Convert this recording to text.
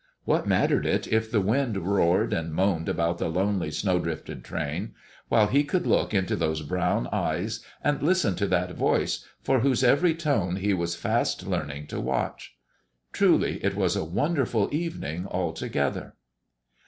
What mattered it if the wind roared and moaned about the lonely, snow drifted train, while he could look into those brown eyes and listen to that voice for whose every tone he was fast learning to watch? Truly, it was a wonderful evening altogether.